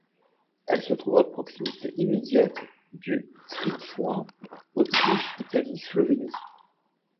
Elle se trouve à proximité immédiate du tripoint Autriche-Italie-Slovénie.